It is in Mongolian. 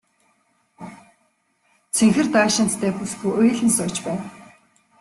Цэнхэр даашинзтай бүсгүй уйлан сууж байв.